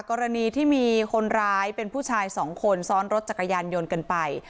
กรณีที่มีคนร้ายเป็นผู้ชายสองคนซ้อนรถจักรยานยนต์กันไป